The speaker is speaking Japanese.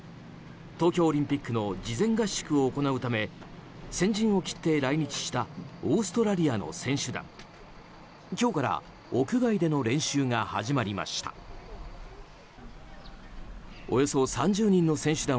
東京オリンピックの事前合宿を行うため先陣を切って来日したオーストラリアの選手団。